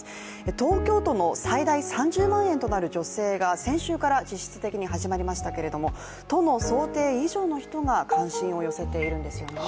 東京都の最大３０万円となる助成が先週から実質的に始まりましたけれども都の想定以上の人が関心を寄せているんですよね。